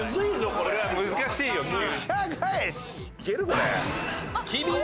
これは難しいよ急に。